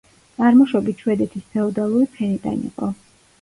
წარმოშობით შვედეთის ფეოდალური ფენიდან იყო.